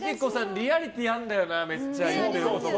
リアリティーあるんだよなめっちゃ、言ってることが。